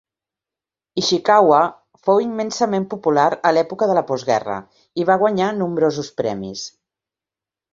Ishikawa fou immensament popular a l'època de la postguerra, i va guanyar nombrosos premis.